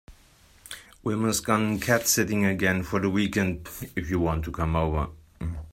Wilma’s gone cat sitting again for the weekend if you want to come over.